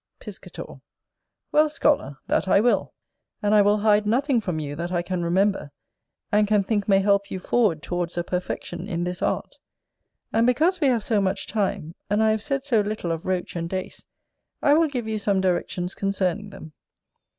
Piscator. Well, scholar, that I will: and I will hide nothing from you that I can remember, and can think may help you forward towards a perfection in this art. And because we have so much time, and I have said so little of Roach and Dace, I will give you some directions concerning them.